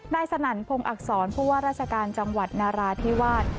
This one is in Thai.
สนั่นพงศ์อักษรผู้ว่าราชการจังหวัดนาราธิวาส